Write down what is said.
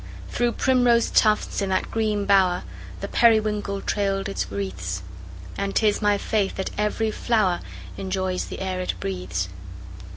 Through primrose tufts, in that green bower, The periwinkle trailed its wreaths; And 'tis my faith that every flower Enjoys the air it breathes.